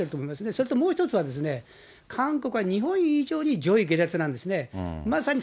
それともう一つはですね、韓国は日本以上に上意下達なんですね。